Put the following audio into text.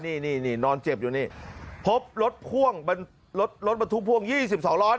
นี่นี่นี่นอนเจ็บอยู่นี่พบรถพ่วงรถรถมาทุกพ่วงยี่สิบสองล้อน